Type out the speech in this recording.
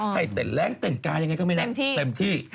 ให้เต้นแรงเต้นกายังไงก็ไม่นะเต็มที่